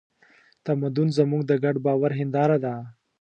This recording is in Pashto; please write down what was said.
تمدن زموږ د ګډ باور هینداره ده.